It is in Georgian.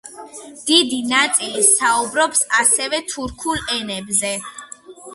დიდი ნაწილი საუბრობს ასევე თურქული ენებზე.